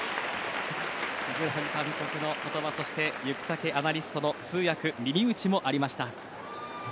ブラン監督の言葉、そしてアナリストの通訳耳打ちもありました。